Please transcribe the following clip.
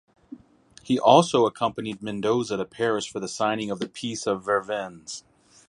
He also accompanied Mendoza to Paris for the signing of the Peace of Vervins.